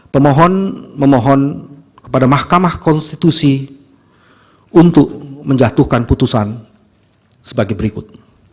pemohon memohon kepada mahkamah konstitusi untuk menjatuhkan putusan sebagai berikut